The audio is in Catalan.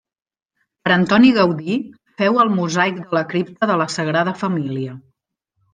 Per Antoni Gaudí féu el mosaic de la cripta de la Sagrada Família.